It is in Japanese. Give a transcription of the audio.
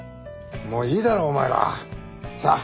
もういいだろお前ら。さあ。